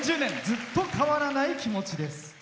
ずっと変わらない気持ちです。